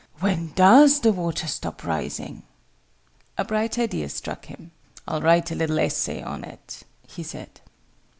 "When does the water stop rising?" A bright idea struck him. "I'll write a little essay on it," he said.